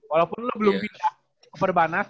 walaupun lu belum pindah ke perbanas